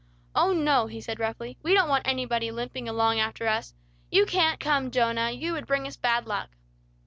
"Oh, no!" he said roughly. "We don't want anybody limping along after us. You can't come, Jonah; you would bring us bad luck."